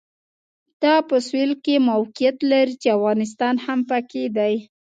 دا په سوېل کې موقعیت لري چې افغانستان هم پکې دی.